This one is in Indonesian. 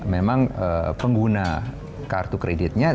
memang pengguna kartu kreditnya